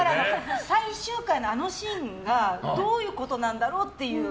最終回のあのシーンがどういうことなんだろうっていう。